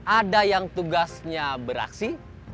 ada yang tugasnya beraksi